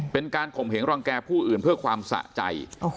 เป็นการข่มเหงรังแก่ผู้อื่นเพื่อความสะใจ